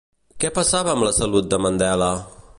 Què passava amb la salut de Mandela?